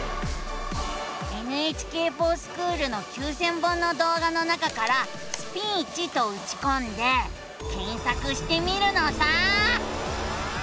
「ＮＨＫｆｏｒＳｃｈｏｏｌ」の９，０００本の動画の中から「スピーチ」とうちこんで検索してみるのさ！